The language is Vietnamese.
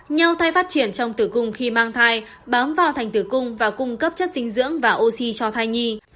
nhau thay phát triển trong tử cung khi mang thai bám vào thành tử cung và cung cấp chất dinh dưỡng và oxy cho thai nhi